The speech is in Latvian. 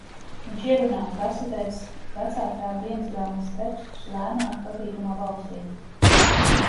Viņš ierunā kasetēs vecātēva dienasgrāmatas tekstus lēnā, patīkamā balsī.